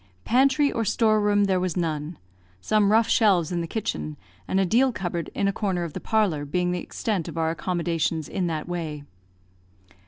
Pantry or store room there was none; some rough shelves in the kitchen, and a deal cupboard in a corner of the parlour, being the extent of our accommodations in that way.